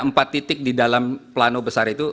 empat titik di dalam plano besar itu